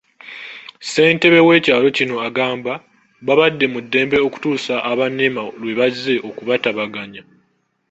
Ssentebe w'ekyalo kino agamba babadde mu ddembe okutuusa aba NEMA lwebazze okubataataaganya.